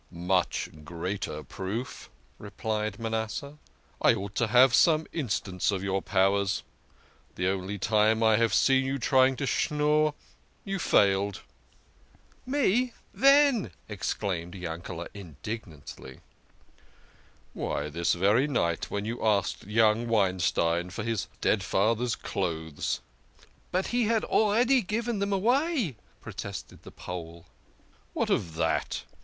" Much greater proof," replied Manasseh. " I ought to have some instance of your powers. The only time I have seen you try to schnorr you failed." 80 THE KING OF SCHNORRERS. " Me ! ven ?" exclaimed Yankele indignantly. " Why, this very night. When you asked young Wein stein for his dead father's clothes !"" But he had already given them away !" protested the Pole. " What of that